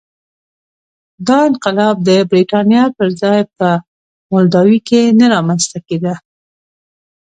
دا انقلاب د برېټانیا پر ځای په مولداوي کې نه رامنځته کېده.